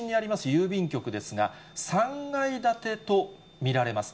郵便局ですが、３階建てと見られます。